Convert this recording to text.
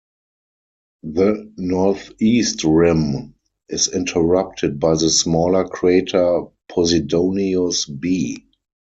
The northeast rim is interrupted by the smaller crater Posidonius B.